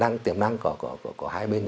khả năng tiềm năng của hai bên